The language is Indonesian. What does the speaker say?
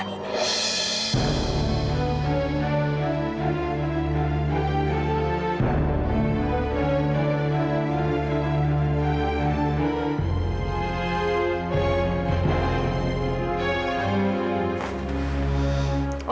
amirah saya melalui kekuasaan